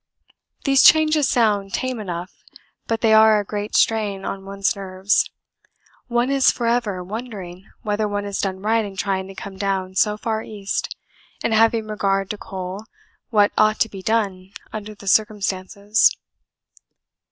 These changes sound tame enough, but they are a great strain on one's nerves one is for ever wondering whether one has done right in trying to come down so far east, and having regard to coal, what ought to be done under the circumstances.